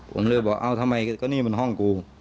ผมเลยบอกเอ้าทำไมก็นี่มันห้องกู